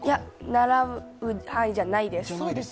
習う範囲じゃないです。